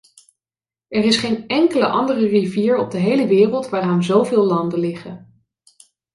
Er is geen enkele andere rivier op de hele wereld waaraan zoveel landen liggen.